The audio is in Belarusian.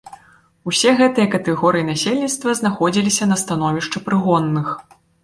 Усе гэтыя катэгорыі насельніцтва знаходзіліся на становішчы прыгонных.